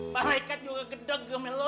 malaikat juga gedeg sama lo